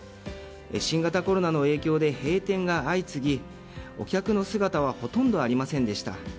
新型コロナの影響で閉店が相次ぎお客の姿はほとんどありませんでした。